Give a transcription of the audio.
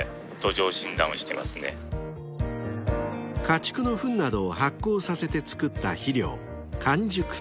［家畜のフンなどを発酵させてつくった肥料］